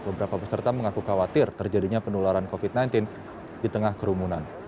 beberapa peserta mengaku khawatir terjadinya penularan covid sembilan belas di tengah kerumunan